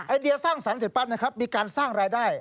เดียสร้างสรรค์เสร็จปั๊บนะครับมีการสร้างรายได้